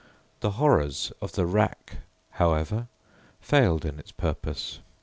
The horrors of the rack, however, failed in its purpose.